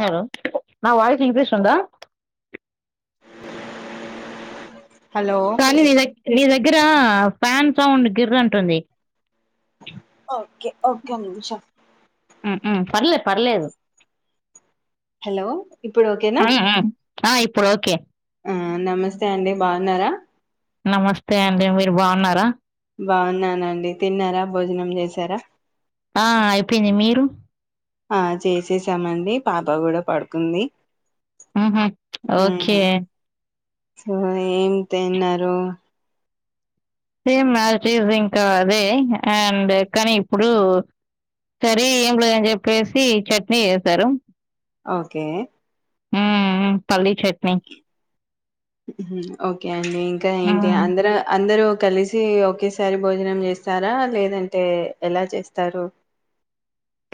Hello నా voice విపిస్తుందా hello కానీ నీ దగ్ నీ దగ్గర ఫ్యాన్ సౌండ్ గిరంటుంది ఓకే ఒక్క నిమిషం హ్మ్ హ్మ్ పర్లేదు పర్లేదు హలో ఇప్పుడు ఓకేనా మ్మ్ మ్మ్ ఆ ఇప్పుడు ఓకే ఆ నమస్తే అండి బాగున్నారా నమస్తే అండి మీరు బాగున్నారా బాగున్నానండి తిన్నారా భోజనం చేసారా ఆ అయిపోయింది మీరు ఆ చేసేసామండి పాప కూడా పడుకుంది హ్మ్ హు ఓకే మ్మ్ సో ఏం తిన్నారు సేమ్ ఆసిటీస్ ఇంకా అదే అండ్ కానీ ఇప్పుడు సరే ఏం లేదు అని చెప్పేసి చట్నీ చేసారు ఓకే మ్మ్ పల్లీ చట్నీ ఓకే అండి ఇంకా ఏంటి మ్మ్ అందరు అందరు కలిసి ఒకేసారి భోజనం చేస్తారా లేదంటే ఎలా చేస్తారు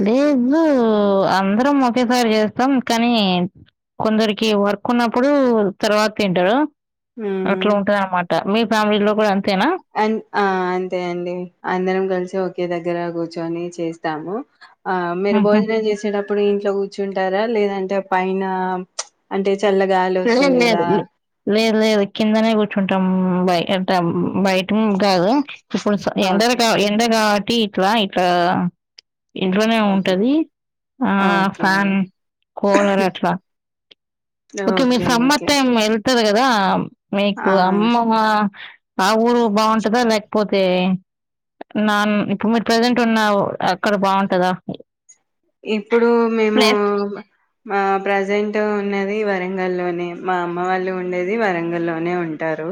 లేదు అందరం ఒకేసారి చేస్తాం కానీ కొందరికి వర్క్ ఉన్నప్పుడు తర్వాత తింటారు అట్లా ఉంటంది అన్నమాట మీర్ అం ఆ అంతే అండి అందరం కలిసి ఓకే దగ్గర దగ్గర కూర్చొని చేస్తాము ఆ మీరు ఉహు. భోజనం చేసేటప్పుడు ఇప్పుడు ఇంట్లో కూర్చుంటారా లేదంటే పైన అంటే చల్లగాలి వస్తుంది లేదు కదా! లేదు లేదు లేదు కిందనే కూర్చుంటాం బయ ఎంత బయట కాదు ఇప్పుడు ఎండ ఓకే. కాలం ఎండ కావట్ టి ర ఇట్లా కదా ఇంట్లోనే ఓకే. ఉంటది ఆ ఓకే. ఫ్యాన్ కూలర్ అట్లా ఓకే మీ సమ్మతం హే కద కదా మీకు అవును. అమ్మ ఆ ఊరు బాగుంటదా లేకపోతే అే నాన్న ఇప్పుడు మీరు ప్రజెంట్ ఉన్న అక్కడ బాగుంటదా ఇప్పుడు మేము ప్లస్ ప్రజెంట్ ఉన్నది వరంగల్లోనే మా అమ్మ వాళ్ళు ఉండేది వరంగ లోనే ఉంటారు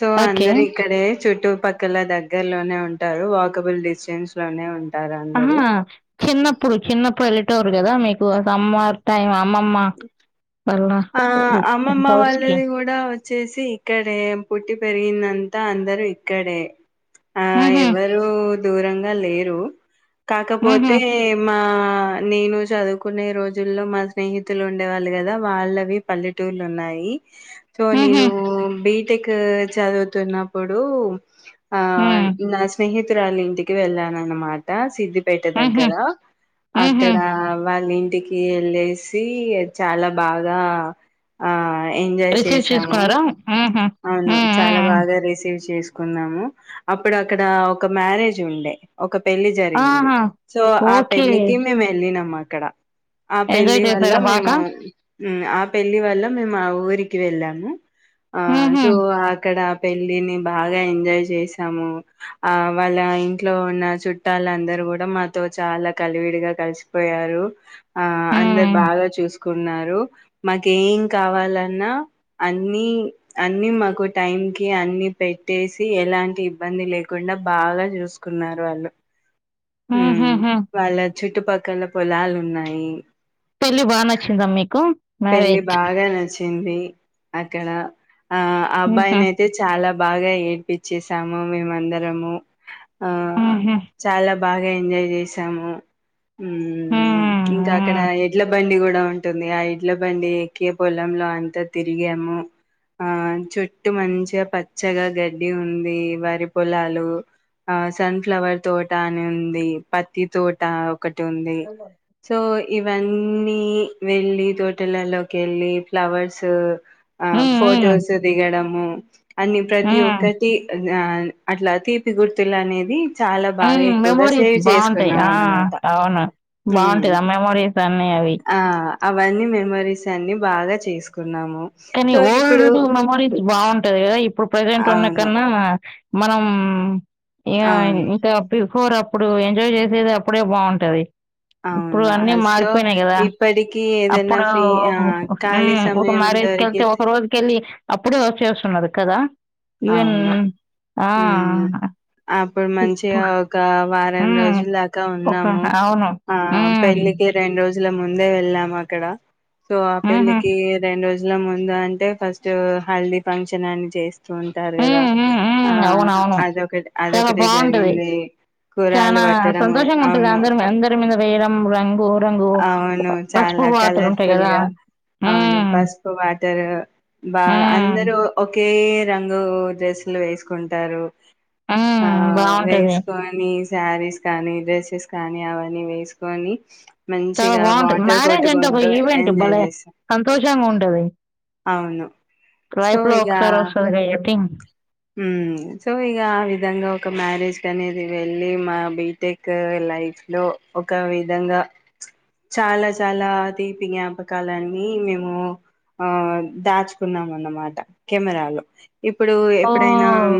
సో ఓకే అందరు ఇక్కడే చు చుట్టుపక్కల దగ్గర లోనే ఉంటారు వాకబుల్ డిస్టెన్స్ లోనే ఉం అమ్మ చిన్నప్పుడు, చిన్న పల్లెటూరు కదా మీకు సమ్మార్ టైమ్ అమ్మ. అమ్మ ఆ అమ్మమ్మ వాళ్ళది కూడా వచ్చేసి ఇక్కడే పుట్టి పెరిగింది అం త్త అందరూ ఇక్కడే. ఆ ఎవరు దూరంగా లేరు కాకపోతే మా ఆ నేను చదువుకునే రోజుల్లో మా స్నేహితులు ఉండేవాళ్ళు కదా. వాళ్ళవి పల్లెటూర్లు ఉన్నాయి. సో నేను.. బీట్. టెక్ చదువుతున్నప్పుడు. ఆ నా స్నేహిత. చిత్రల ఇంటికి వెళ్ళానన్నమాట సిద్ధి. పేట దగ్గర అక్కడ వాళ్ళ ఇన్. ఇంటికి వెళ్ళసి చాలా బాగా ఆ. ఎంజాయ్ రిసీవ్ చేసాము, చేసుకున్నారా మ్మ్హ్మ్. అవును మ్మ్, చాలా మ్మ్. బాగా రిసీవ్ చేసు. తీకున్నాము అప్పుడు అక్కడ ఒక మ్యారేజ్ ఉండే ఒక. పెళ్లిి జరిగింది ఆహా సో ఆ ఓకే పెళ్లిికి మేము వెళ్ళినం. అక్కడ ఆ ఎంజాయ్ పెళ్ళి వల్ల చేశారా మేము బాగా హ్మ్ ఆ పెళ్ళి వల్ల మేము ఆ ఊరికి వెళ్ళాము. ఆ మ్మ్హ్మ్. సో అక్కడ. పెళ్ళిని నీ బాగా ఎంజాయ్ చేసాము ఆ వాళ్ళ ఇంట్లో ఉన్న చుట్టాలు అందరు కూడా మాతో చాలా కలివిడిగా కలిసిపోయారు ఆ అందరు మ్మ్. బాగా చూసుకున్నారు. మాకేం కావాలన్నా అన్ని అన్ని మాకు టైం కి అన్ని పెట్టేసి ఎలాంటి ఇబ్బంది లేకుండా బాగా చూసుకున్నారు వాళ్ళు. హ్మ్ మ్మ్హ్మ్. వాళ్ళ చుటుపక్కల పొలాలు. ఉన్నాయి పెళ్లి బా నచ్చింద మీకు పెళ్లి మ్యారేజ్ బాగా నచి వచ్చింది అక్కడ ఆ అబ్బాయిని మ్మ్హ్మ్. అయితే చాలా బాగా ఏడ్పిచ్చేసాము మేము అందరము ఆ మ్మ్హ్మ్. చాలా బాగా ఎంజాయ్ చేశాము. హ్మ్ ఇంకా అక్కడ హ్మ్. ఎడ్ల బండి కూడా ఎలా ఉంటుంది ఐ ఎడ్ల బండి ఎక్కి పొలంలో అంతా తిరిగాము. ఆ చుట్టూ మంచిగా పచ్చగా గడ్డి ఉంది. వరి పొలాలు ఆ సన్ఫ్లవర్ తోట అని ఉంది. పత్తి తోట ఒకటి ఉంది. హ్మ్. సో ఇవన్నీ వెళ్ళి తోట్ తెల్లర్లోకి వెళ్ళి ఫ్లవర్స్ ఆ హ్మ్. హ్మ్. ఫోటోస్ దిగడము అని ప్రతి హ్మ్. ఒక్కటి అద్ గ్రాండ్ అట్లా తీపి గుర్తులు అనేవి హమ్ మెమోరీస్ బాగుంటాయి. ఆ అన్నమాట అవును ఉమ్ బాగుంటాది. ఆ మెమోరీస్ అన్ని అవి ఆ అవన్నీ మే మేమోరీస్ అన్ని బాగా చేసుకు కానీ ఓల్డ్ లోనే మెమోరీస్ బాగుంటది. కదా ఇప్పుడు ప్రజెంట్ ఉన్న అవును కన్నా మా మనం యా అవును ఇంత అప్పియ్డ్ పోరు అప్పుడు ఎంజాయ్ చేసేది అప్పుడే బాగుంటది. అవును ఆ సో ఇప్పటికి ఏదన్నా అప్పుడు ఫ్రీ ఆ ఖాళీ సమయం ద కేళ్తే ఒక రోజు కెళ్ళి అప్పుడే వచ్చేస్తున్నారు కదా ఈవెన్ అవును ఆ! హుహ్ అప్పుడు మంచిగా ఇప్పుడు ఒక వారం హ్మ్. రోజుల దాకా ఒక ఉన్నాము. అవును. ఆ హ్మ్. పెళ్ళికి రెండు రోజుల ము ముందే వెళ్ళాము. అక్కడ సో ఆ హుహు. పెళ్లికి రెండు రోజ్ ఇట్లా ముందు అంటే ఫస్ట్ హల్దీ ఫంక్షన్ అని చేస్ కుఉంటారు కదా హ్మ్. హ్మ్. ఆ హ్మ్. ఆహ అవునవును. అదొకట్ చాలా అదొకటి బావుంటది. జరిగింది కూరగాయలు చానా పట్టడం అవును వేరమ్ ములంబు అవును చాలా కలర్ ఫుల్ గదా! గా అవును హ్మ్. పసుపు వాటరు బాగా హ్మ్. అందరూ ఒకే ఈ రంగు డ్రెస్సులు వేసుకుంటారు. ఆ హ్మ్. బావుంటది. వేసుకొనిస్ శారీస్ కానీ, డ్రెస్సెస్ కానీ, అవన్నీ వేసుకొని చాలా మంచిగా బాగుంటది. వాటర్ మ్యారేజ్ అంటే ఒక కొట్టుకుంటూ ఈవెంట్ ఎంజాయ్ బలే చేస్తాం సంతోషంగా ఉంటది. అవును సో లైఫ్ లో ఒకసారి ఇక వస్తుంది ఈ వే టింగ్ హ్మ్ సో ఇగా ఆ విధంగా ఒక మ్యారేజ్ అనేది. వెళ్ళి మా బీటెక్ లైఫ్ లో ఒక విధంగా చాలా చాలా తీపి జ్ఞాపకాలన్నీ మేము ఆ దాచుకున్నాం. అన్నమాట కెమెరాలో ఇప్పుడు ఎప్పుడైనా ఓహ్!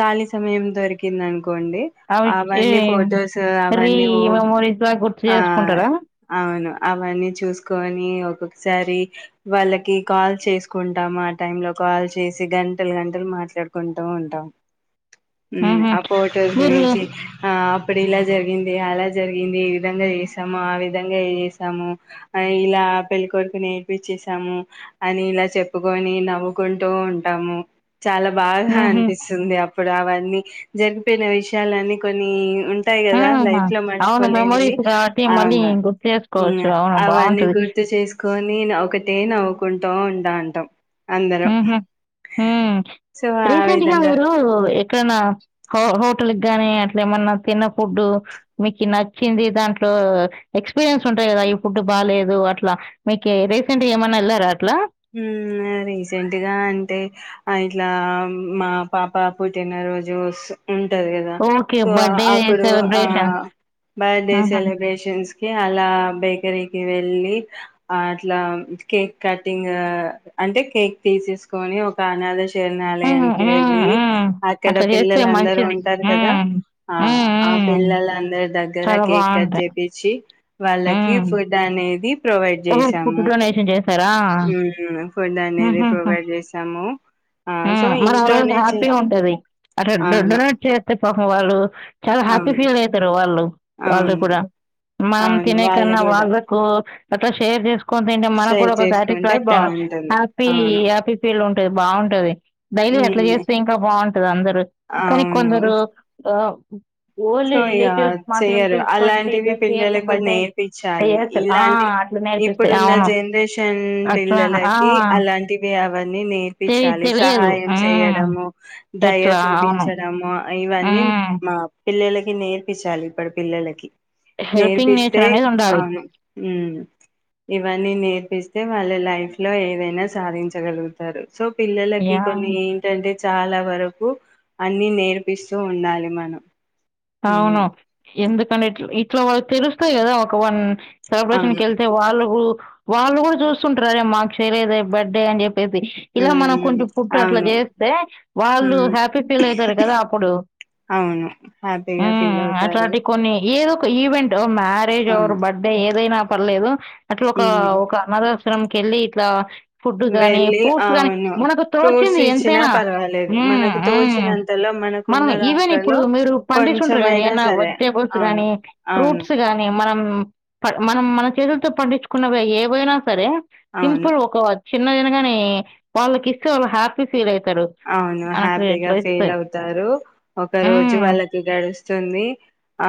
ఖాళీ సమయం దొరి కింది ను క్ కొండి అవి ఏ అవన్నీ ఫోటోస్ రీ అవన్నీ ఓ మెమోరీస్‌లా గుర్తు ఆ చేసుకుంటారా? అవును అవన్నీ చూసుకొని ఒక సారి వాళ్ళకి కాల్ చేసుకుంటాం ఆ టైమ్ లో కాల్ చేసి గంటలు గంటలు మా మాట్లాడుకుంటా ఉంటాం మ్మ్ హుహు. ఆ ఫోటోస్ మీరు గురించి ఆ ప్ ఇప్పుడు ఇలా జరిగింది అలా జరిగింది ఏ విధంగా చేసాము ఆ విధంగా ఏ చేసాము ఇలా పెళ్ళికొడుకు నీ ఏడించేసము అని ఇలా చెప్పుకొని నవ్వుకుంటూ ఉంటాము చాల బాగా హుహు. అనిపిస్తుంది అప్ ఇప్పుడు అవన్నీ జరిపోయిన విషయాలన్నీ కొన్ని ఉంటాయి కదా హ్మ్. లైఫ్ లో అవును. మర్చిపోలేనివి మెమోరీస్ కాబట్టి మళ్ళీ అవును గుర్తు చేసుకోవచ్చు. అవును అవన్నీ బావుంటది. గుర్తు చేసుకొని ఒకటే నవ్వుకుంటా ఉంటా టాం హ్మ్ హు సో ఆ రీసెంట్గా విధంగా మీరు ఎక్కడ నా హో హోటల్ గానీ అట్లా ఏమన్నా తిన్న ఫుడ్ మీకు నచ్చింది దాంట్లో ఎక్స్పీరియన్స్ ఉంటాయి కదా ఈ ఫుడ్ బాలేదు అట్లా మీకి రేస్ రీసెంట్ గా ఏమన్నా వెళ్లారా అట్లా మ్మ్ రీసెంట్గా అంటే ఆ ఇట్లా మా పాప పుట్టినరోోజు సో ఉంటది కదా ఓకే. సో బర్త్‌డే అప్పుడు ఆ సెలబ్రేషన్స్. బర్త్డే హుహు. సెలబ్రేషన్స్ అలా బేకరీకి వెళ్ళి అట్లా కేక్ కటింగ్ అంటే కేక్ తీసేసుకొని ఒక అనాదశ హ్మ్. రణాలయానికి హ్మ్. వెళ్ళి హ్మ్. అక్కడ అట్లా చేస్తే పిల్లలుందరూ మంచిది. ఉంటారు కదా హ్మ్. ఆ హ్మ్. ఆ హ్మ్. పిల్లలందరు దగ్ గర చాలా కేక్ కట్ బావుంటాయి. చెప్పించి వాళ్ళకి హ్మ్. ఫుడ్ అనేది ప్రొవైడ్ చేసాము చేసారా మ్మ్ ఫుడ్ అనేది ప్రొవైడ్ చేసాము ఆ సో మ్మ్ మరి ఆ రోజు ఇంట్లోనే చే హ్యాపీగా ఉంటది అ అవును డొనేట్ చేస్తే పాపం వాళ్ళు చాలా హ్యాపీ అవును ఫీల్ అయితారు వాళ్ళు వాళ్ళు అవును కూడా మామ్ అవును తినే వాళ్ళు కన్నా కూడా వాళ్ళ కు అట్లా షేర్ చేస్ కొంత ఏంటే మనం షేర్ కూడా ఒక చేసుకుంటే సాటిస్ఫాక్షన్ బాగుంటుంది హ్యాపీ అవును హ్యాపీ ఫీల్ ఉం టే బాగుంటది డైలీ అట్లా మ్మ్ చేస్తే ఇంకా బాగుంటది అందరు కానీ అవును కొందరు ఆ అ సో ఇగ చెయ్యరు పిలుచుకొస్తే అలాంటివి ఇట్లా చేయక పిల్లలకు బర్త్డే నేర్పిచ్చాలి చేస్తారు ఆ, ఇలాంటి అట్లా నేర్పిస్తాయి ఇప్పుడున్న అవును జన్రేషన్ అట్లా పిల్లలకి ఆ. అలాంటివి అవన్నీ తెలి నేర్పిచ్చాలి తెలియదు సహాయం హ్మ్. చెయ్యడము దయ ఎట్లా అవును. చూపించడము. అ ఇవన్నీ హ్మ్. మా పిల్లలకి నేర్పిచ్చాలి ఇప్పుడ్ పిల్లలకి హెల్పింగ్ నేచర్ అనేదుండాలి మ్మ్ ఇవన్నీ నేర్పిస్తే వాళ్ళ లైఫ్ లో ఏదైనా సాధించగలుగుతారు సో పిల్లలకి యాహ్! కొన్ని ఏంటంటే చాలా వరకు అన్ని నేర్పిస్తూ ఉండాలి మనం ఉమ్ అవ్ను ఎందుకంట్లే ఇట్ ట్లో వాళ్ళక్ తెలుస్తయి గదా ఒక వన్ సెలబ్రేషన్ అవును కెళ్తే వాళ్ళు గు వాళ్ళు గుడ చూస్తుంట్రు అరె మాక్ చెయ్లేదే బడ్డే అన్ జెప్ ప్పేసి ఇలా మనం ఉమ్ కొంచం ఫుట్టు అట్ల అవును జేస్తే వాళ్ళు ఉమ్ హ్యాపీ ఫీల్ ఐతారు కదా అప్పుడు అవును హ్యాపీగా ఫీల్ అవుతారు ఏదొక ఈవెంటు మ్యారేజ్ అవ్ర్ అవును బడ్డే ఏదైనా పర్లేదు అట్లోక ఉమ్ ఒక అనాధాస్ సిత్రం కెళ్ళి ఇట్లా ఫుడ్ గానీ, వెళ్ళి ఫ్రూట్స్ గానీ అవును మనకు ఫ్రూట్స్ తోచింది ఇచ్చినా ఎంతైనా పర్వాలేదు హ్మ్. మనకు హ్మ్. తోచినంతలో మనకున్న దాంట్లలో పండిస్తుంట్రు గదా కొంచెమైనా ఏన్నా సరే వట్టేబోస్ అవును గానీ అవును ఫ్రూట్స్ గానీ మనం ప మనం మన చేతుల్తో పండించుకున్నవే ఏవైనా సరే అవును సింపుల్ ఒక చిన్న చినగానే వాళ్ళకిస్తే వాళ్ళు హ్యాపీ ఫీల్ అయితారు. అవును మనకు హ్యాపీగా ఇట్లా ఇస్తే. ఫీల్ అవుతారు ఒక రోజు హ్మ్. వాళ్ళకి దడుస్తుంది ఆ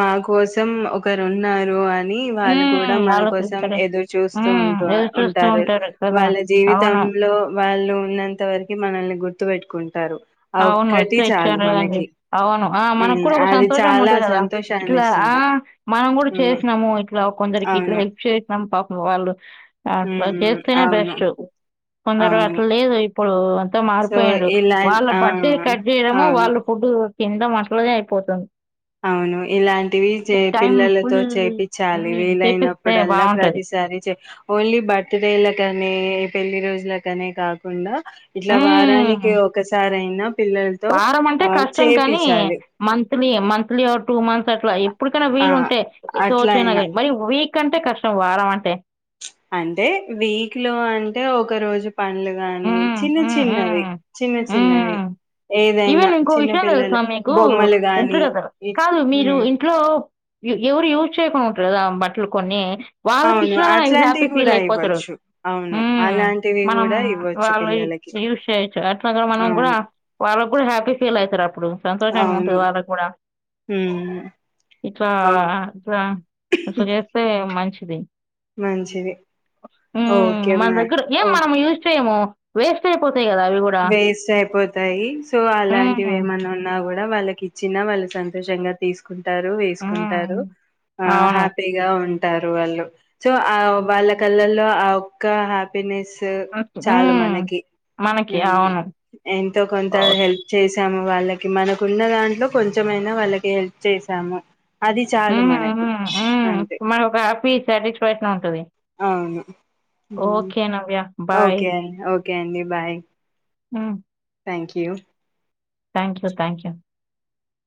మా కోసం ఒకరున్నారు అన్ ని వాళ్ళు కూడా హ్మ్. మన కోసం ఆలోచిస్తారు. ఎదురు చూస్తూ హ్మ్. ఉంటూ ఎదురు చూస్తూ ఉంటారు కదా! వాళ్ళ అవును. జీవితంలో వాళ్ళు ఉన్నంత వరక్ మనల్ని గుర్తు వెట్టుకుంటారు అవును ఇట్లే ఇచ్చారుదండి అవును ఆ ఉమ్ మనక్కుడా ఒక అది సంతోషం చాలా ఉంటది కదా సంతోషాన్ని ఇట్లా ఆ ఇస్తుంది మనం గుడా ఉమ్ చేసినాము ఇట్లా కొందరికి ఇట్ల అవును హెల్ప్ చేసినాం పాపం వాళ్ళు అట్లా ఉమ్ చేస్తేనే అవును బెస్టు కొందరు అవును అట్ల లేదు ఇప్పుడు తో సో మారిపోయిండు ఇలా వాళ్ళ ఆ బర్డే కట్ జేయడము అవును వాళ్ళు ఫుడ్డు కింద మంట్లోనే అయిపోతుంది అవును ఇలాంటివి ఈ చే టైం పిల్లలతో ఫుల్ చేపిచ్చాలి హ్మ్. చేపిస్తే వీలైనప్పుడల్లా బావుంటది. ప్రతిసారి చే ఓన్లీ బర్తడేలకనే పెళ్లి రోజులకనే కాకుండా ఇట్ల హ్మ్. వారానికి ఒకసారి అయిన వారం అంటే కష్టం కానీ చేపిచ్చాలి. మన లీ మంత్లీ టూ మంత్స్ అట్లా ఇప్పుడుకైనా ఆ! వీలుంటే అట్లా తోచైనా అయినా. కానీ మరి కంటే కష్టం వారం అంటే అంటే వీక్ లో అంటే ఒక రోజు పండ్లు గాని హ్మ్. చిన్న హ్మ్. చిన్నవి హ్మ్. చిన్న చి చిన్నవి హ్మ్. ఏదైనా ఈవెన్ ఇంకో చిన్న విషయా పిల్లల తెలుసాం మీకు బొమ్మలు గాని ఉంటరు కదా ఇ కాదు మీరు హ్మ్. ఇంట్లో ఎవరు యూజ్ చేయకుండా ఉంటారు కదా బట్టలు కొన్ని వాళ్ళకి అవును ఇచ్చిన హ్యాపీ అట్లాంటివి కూడా ఫీల్ అయిపోతారు ఇవ్వచ్చు అవును అలాంటివి మనం కూడా ఇవ్వచ్చు వాళ్ళు పిల్లలకి యూస్ చేయచ్చు అట్లాగ మనం కూడా అవును వాళ్ళగ్గూడా హ్యాపీ ఫీల్ అవుతారు అప్పుడు సంతోషంగా అవును ఉంటుంది వాళ్ళకి కూడా హ్మ్ ఇట్లా ఓ ఇట్లా ఇట్లా చేస్తే మంచిది మంచిది ఊ ఓకే మన మ్యా దగ్గర ఏం ఓ మనం యూస్ చేయము వేస్ట్ ఐపో వేస్ట్ అయిపో సయి సో అలాంటివి హ్మ్. ఏమన్నా ఉన్నా గూడా వాళ్ళకిచ్చిన వాళ్ళు సంతోషంగా తీసుకు టారు వేసుకుంటారు హ్మ్. ఆ అవును. హ్యాపీగా ఉ టారు వాళ్ళు సో ఆ వాళ్ళ కళ్ళల్లో ఆ ఒక్క హ్యాపీనెస్ మ్ ఊ చాలు మనకి మనకి అవును. ఎంతో కొంత ఓహ్! హెల్ప్ చేసి తాము వాళ్ళకి మనకున్న దాంట్లో కొంచెమైనా వాళ్ళకి హెల్ప్ చేసాము అది చాలు మనకి అంతే మనొక హ్యాపీస్ ప్రయత్నం ఉంటుంది అవును నవ్య. ఓకేఓకే కేండి బాయ్ ఆ thank you thank you thank you